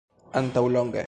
Antaŭ longe.